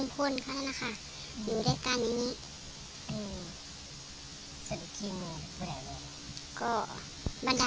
ทางประแต่นนี่ค่ะ